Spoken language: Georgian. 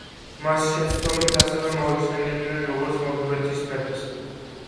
მას შეცდომით ასევე მოიხსენებდნენ როგორც მორდვეთის მეფეს.